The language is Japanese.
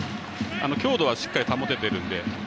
強度はしっかり保てるので。